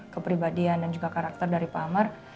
kepribadian dan juga karakter dari pak amar